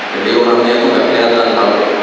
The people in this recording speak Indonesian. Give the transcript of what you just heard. jadi orangnya tuh gak keliatan tau